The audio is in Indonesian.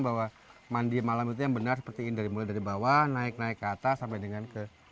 bahwa mandi malam itu yang benar seperti ini dari mulai dari bawah naik naik ke atas sampai dengan ke